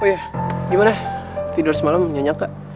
oh iya gimana tidur semalam nyanyi apa